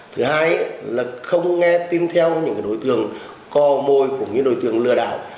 thứ hai là không nghe tin theo những đối tượng co môi của những đối tượng lừa đảo